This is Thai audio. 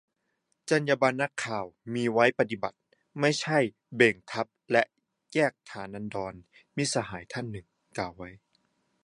"จรรยาบรรณนักข่าวมีไว้ปฏิบัติ ไม่ใช่ใช้เบ่งทับและแยกฐานันดร" - มิตรสหายท่านหนึ่ง